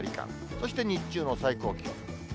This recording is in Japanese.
そして日中の最高気温。